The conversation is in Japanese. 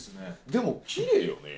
でもきれいよね。